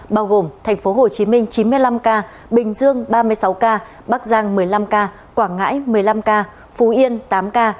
bao gồm tp hcm chín mươi năm ca bình dương ba mươi sáu ca bắc giang một mươi năm ca quảng ngãi một mươi năm ca phú yên tám ca